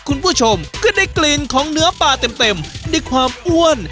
คุณผู้ชมก็ได้กลิ่นของเนื้อปลาเต็มด้วยความอ้วน